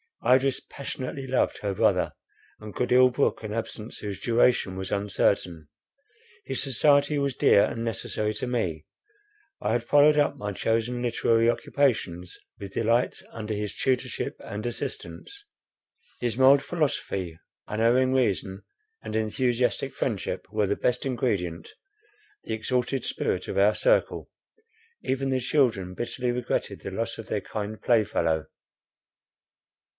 Idris passionately loved her brother, and could ill brook an absence whose duration was uncertain; his society was dear and necessary to me—I had followed up my chosen literary occupations with delight under his tutorship and assistance; his mild philosophy, unerring reason, and enthusiastic friendship were the best ingredient, the exalted spirit of our circle; even the children bitterly regretted the loss of their kind playfellow.